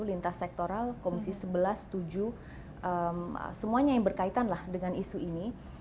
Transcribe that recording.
lintas sektoral komisi sebelas tujuh semuanya yang berkaitan lah dengan isu ini